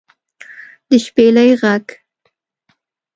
د شپېلۍ غږ